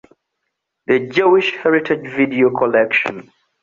The Jewish Heritage Video Collection.